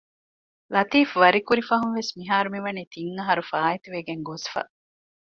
ލަތީފްވަރިކުރި ފަހުންވެސް މިހާރު މިވަނީ ތިން އަހަރު ފާއިތުވެގެން ގޮސްފަ